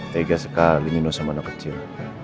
tega sekali nino sama anak kecil